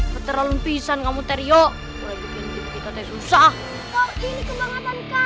sampai jumpa di video selanjutnya